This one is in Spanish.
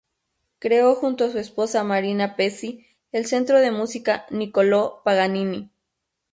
Creó junto a su esposa Marina Pesci el Centro de Música "Niccolo Paganini".